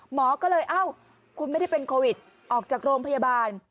หมอก็เลยเอ้าคุณไม่ได้เป็นโควิดออกจากโรงพยาบาล